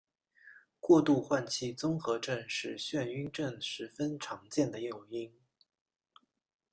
过度换气综合症是晕眩症十分常见的诱因。